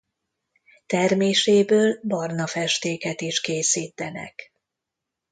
Terméséből barna festéket is készítenek.